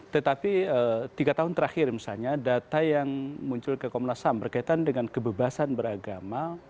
tetapi tiga tahun terakhir misalnya data yang muncul ke komnas ham berkaitan dengan kebebasan beragama